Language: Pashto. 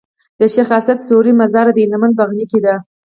د شيخ اسعد سوري مزار د هلمند په بغنی کي دی